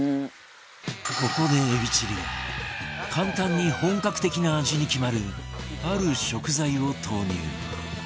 ここでエビチリが簡単に本格的な味に決まるある食材を投入